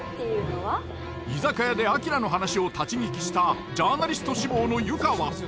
居酒屋で明の話を立ち聞きしたジャーナリスト志望の由歌は。